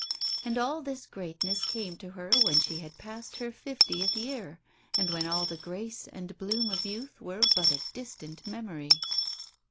And all this greatness came to her when she had passed her fiftieth year, and when all the grace and bloom of youth were but a distant memory.